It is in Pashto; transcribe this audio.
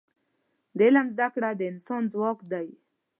د علم زده کړه د انسان ځواک دی.